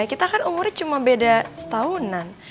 kita kan umurnya cuma beda setahunan